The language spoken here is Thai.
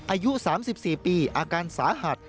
อายุ๓๔ปีอาการสาหัส